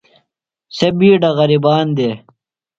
سےۡ بِیڈہ غریبان دے۔